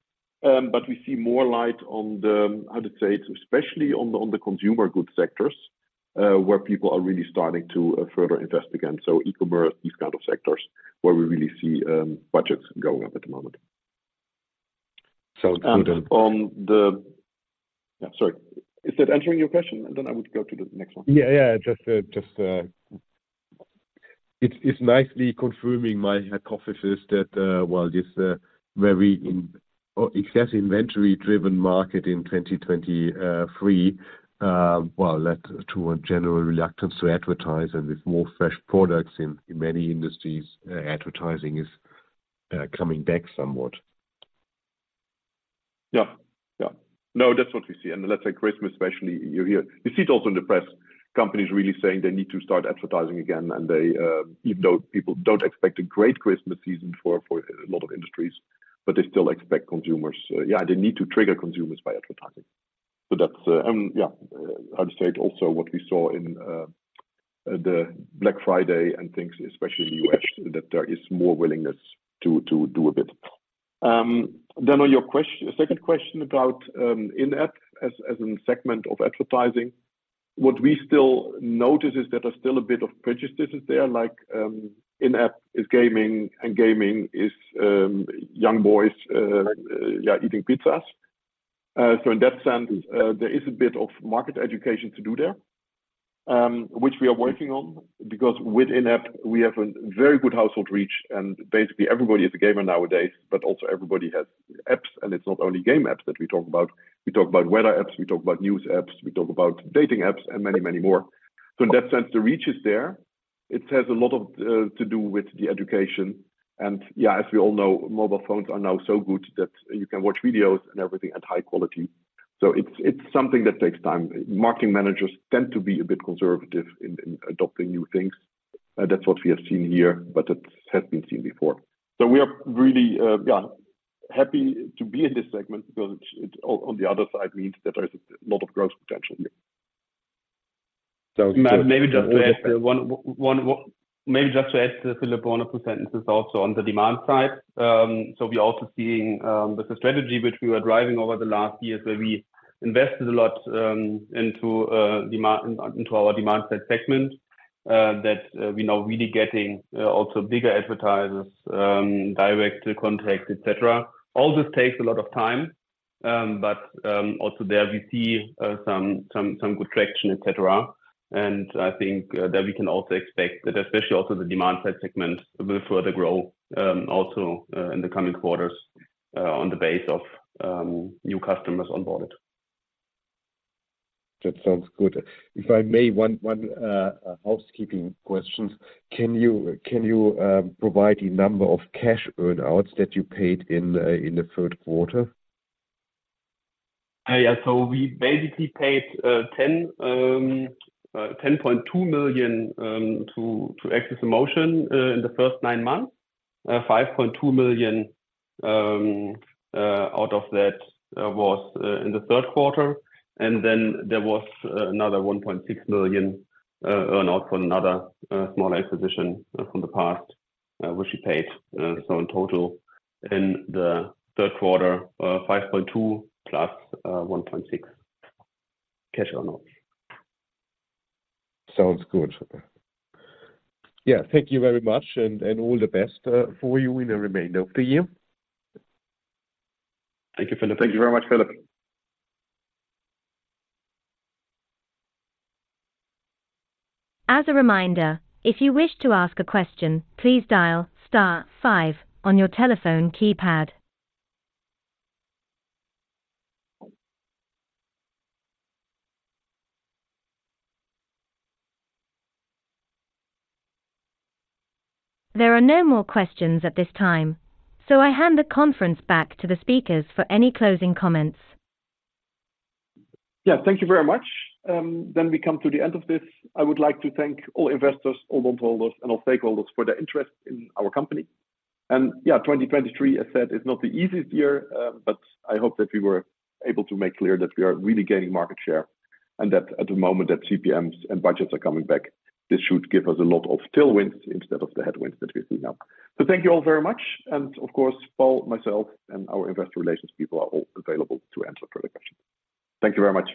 but we see more light on the, how to say it, especially on the, on the consumer goods sectors, where people are really starting to, further invest again. So e-commerce, these kind of sectors, where we really see, budgets going up at the moment.
So-
Yeah, sorry. Is that answering your question? And then I would go to the next one.
Yeah, yeah. Just, just... It's nicely confirming my hypothesis that, well, this very in or excess inventory-driven market in 2023, well, led to a general reluctance to advertise. And with more fresh products in many industries, advertising is coming back somewhat.
Yeah. Yeah. No, that's what we see. And let's say Christmas, especially, you hear, you see it also in the press, companies really saying they need to start advertising again, and they, even though people don't expect a great Christmas season for, for a lot of industries, but they still expect consumers. Yeah, they need to trigger consumers by advertising. So that's, yeah, I'd say it also what we saw in, the Black Friday and things, especially in U.S., that there is more willingness to, to do a bit. Then on your question, second question about, in-app as, as a segment of advertising. What we still notice is there are still a bit of prejudices there, like, in-app is gaming, and gaming is, young boys, yeah, eating pizzas. So in that sense, there is a bit of market education to do there, which we are working on, because with in-app, we have a very good household reach, and basically everybody is a gamer nowadays, but also everybody has apps, and it's not only game apps that we talk about. We talk about weather apps, we talk about news apps, we talk about dating apps and many, many more. So in that sense, the reach is there. It has a lot of to do with the education. And yeah, as we all know, mobile phones are now so good that you can watch videos and everything at high quality. So it's something that takes time. Marketing managers tend to be a bit conservative in adopting new things. That's what we have seen here, but it has been seen before. So we are really happy to be in this segment because it, on the other side, means that there is a lot of growth potentially. So-
Maybe just to add, Philipp, one or two sentences also on the demand side. So we're also seeing with the strategy which we were driving over the last years, where we invested a lot into demand, into our demand side segment, that we're now really getting also bigger advertisers, direct contact, et cetera. All this takes a lot of time, but also there we see some good traction, et cetera. And I think that we can also expect that especially also the demand side segment will further grow, also in the coming quarters, on the basis of new customers on board.
That sounds good. If I may, one housekeeping question: Can you provide the number of cash earn-outs that you paid in the third quarter?
So we basically paid 10.2 million to AxesInMotion in the first nine months. 5.2 million out of that was in the third quarter, and then there was another 1.6 million earn-out for another small acquisition from the past, which we paid. So in total, in the third quarter, 5.2 million + 1.6 million cash earn-out.
Sounds good. Yeah. Thank you very much, and all the best for you in the remainder of the year.
Thank you, Philipp.
Thank you very much, Philipp.
As a reminder, if you wish to ask a question, please dial star five on your telephone keypad. There are no more questions at this time, so I hand the conference back to the speakers for any closing comments.
Yeah. Thank you very much. Then we come to the end of this. I would like to thank all investors, all bondholders and all stakeholders for their interest in our company. And yeah, 2023, as said, is not the easiest year, but I hope that we were able to make clear that we are really gaining market share, and that at the moment, that CPMs and budgets are coming back. This should give us a lot of tailwinds instead of the headwinds that we see now. So thank you all very much, and of course, Paul, myself and our investor relations people are all available to answer further questions. Thank you very much.